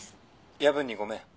夜分にごめん。